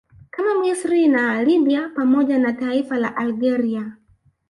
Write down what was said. kama Misri na Libya pamoja na taifa la Algeria